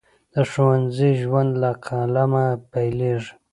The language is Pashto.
د ښوونځي ژوند له قلمه پیلیږي.